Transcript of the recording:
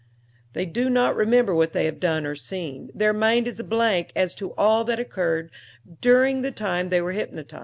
They do not remember what they have done or seen. Their mind is a blank as to all that occurred during the time they were hypnotized.